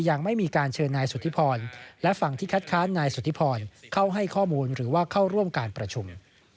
ยังไม่มีการเชิญนายสุธิพรและฝั่งที่คัดค้านนายสุธิพรเข้าให้ข้อมูลหรือว่าเข้าร่วมการประชุม